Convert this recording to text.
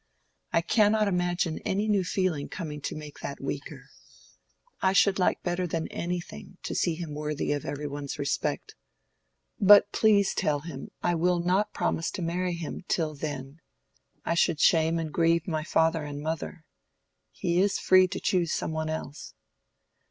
I cannot imagine any new feeling coming to make that weaker. I should like better than anything to see him worthy of every one's respect. But please tell him I will not promise to marry him till then: I should shame and grieve my father and mother. He is free to choose some one else."